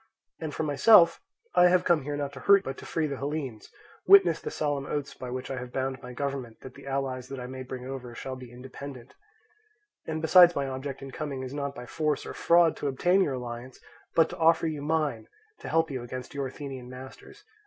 And for myself, I have come here not to hurt but to free the Hellenes, witness the solemn oaths by which I have bound my government that the allies that I may bring over shall be independent; and besides my object in coming is not by force or fraud to obtain your alliance, but to offer you mine to help you against your Athenian masters.